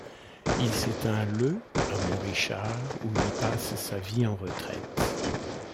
Il s'éteint le à Montrichard où il passe sa vie en retraite.